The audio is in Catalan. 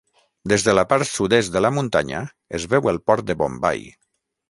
Des de la part sud-est de la muntanya es veu el port de Bombai.